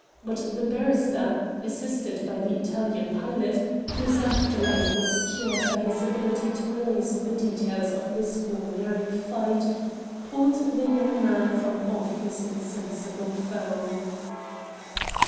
But the barrister, assisted by the Italian pilot whose after life was cheered by his ability to relate the details of this Homeric fight pulled the young man from off his insensible foe.